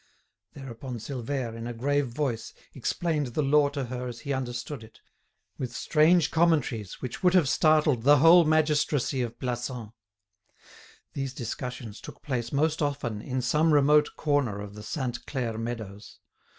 Thereupon Silvère, in a grave voice, explained the law to her as he understood it, with strange commentaries which would have startled the whole magistracy of Plassans. These discussions took place most often in some remote corner of the Sainte Claire meadows.